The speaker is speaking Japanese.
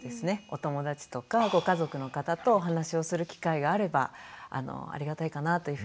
お友達とかご家族の方とお話をする機会があればありがたいかなぁというふうに思います。